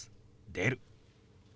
「出る」。